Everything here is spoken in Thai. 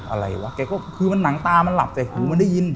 อะไรวะแกก็คือมันหนังตามันหลับแต่หูมันได้ยิน